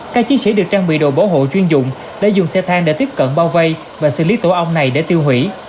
các chiến sĩ được trang bị đồ bảo hộ chuyên dụng đã dùng xe thang để tiếp cận bao vây và xử lý tổ ong này để tiêu hủy